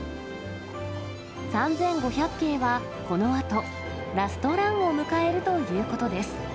３５００系はこのあと、ラストランを迎えるということです。